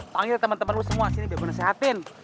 panggil temen temen lo semua sini biar gue nasehatin